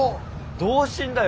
同心だよ。